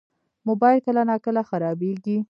موبایل کله ناکله خرابېږي.